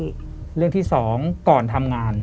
เรื่องที่๒ก่อนทำงาน